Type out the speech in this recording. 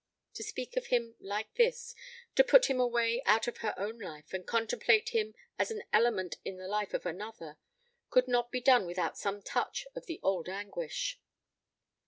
To speak of him like this to put him away out of her own life, and contemplate him as an element in the life of another could not be done without some touch of the old anguish.